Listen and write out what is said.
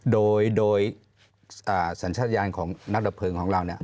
โดยสัญชาติยานของนักดะเพิงของเรา